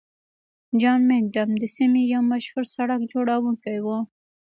جان مکډم د سیمې یو مشهور سړک جوړونکی و.